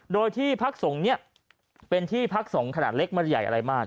โดยที่พระสงฆ์เนี่ยเป็นที่พระสงฆ์ขนาดเล็กมาใหญ่อะไรมาก